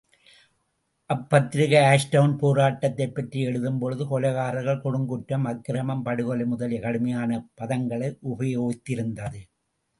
அப்பத்திரிகை ஆஷ்டவுன் போராட்டத்தைப் பற்றி எழுதும் பொழுது, கொலைகாரர்கள், கொடுங்குற்றம், அக்கிரமம், படுகொலை முதலிய கடுமையான பதங்களை உபயோகத்திருந்தது.